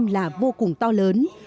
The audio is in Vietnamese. là vô cùng to lớn